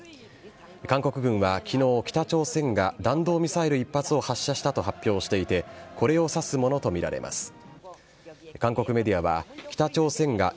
韓国軍はきのう、北朝鮮が弾道ミサイル１発を発射したと発表していてこれを指すものと見られます。